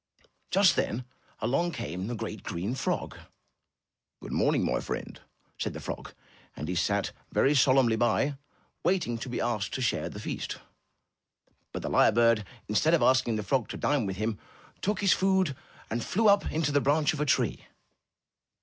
Just then, along came a great, green frog. "Good morning, my friend,'' said the frog, and he sat very solemnly by, waiting to be asked to share the feast. But the lyre bird, instead of asking the frog to dine with him, took his food and flew up into the branch of a tree.